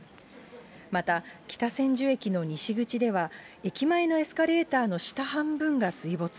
また北千住駅の西口では、駅前のエスカレーターの下半分が水没。